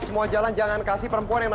sialan banget ya itu orangnya